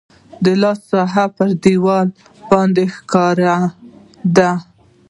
د لاس سایه يې پر دیوال باندي ښکارېده.